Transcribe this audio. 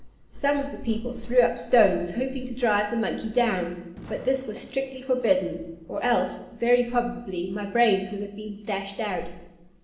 Some of the people threw up stones, hoping to drive the monkey down; but this was strictly forbidden, or else, very probably, my brains had been dashed out.